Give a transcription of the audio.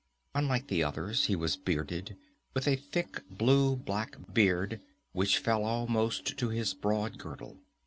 Unlike the others, he was bearded, with a thick, blue black beard which fell almost to his broad girdle.